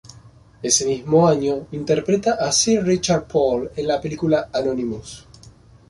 Ese mismo año interpreta a Sir Richard Pole en la película "Anonymous".